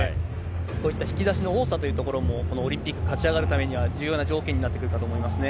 こういった引き出しの多さというところもこのオリンピック勝ち上がるためには、重要な条件になってくるかと思いますね。